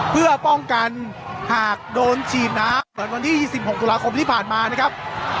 เพื่อป้องกันหากโดนฉีดน้ำเหมือนวันที่๒๖ตุลาคมที่ผ่านมานะครับ